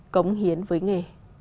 cống hiến với nghề